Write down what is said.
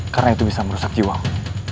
karena itu bisa merusak jiwamu